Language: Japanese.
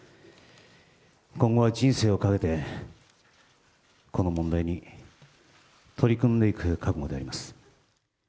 今後は人生をかけて、この問題に取り組んでいく覚悟であります。